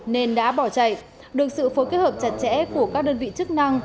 nên đã bỏ chạy được sự phối kết hợp chặt chẽ của các đơn vị chức năng